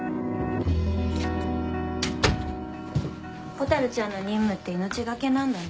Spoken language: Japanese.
蛍ちゃんの任務って命懸けなんだね。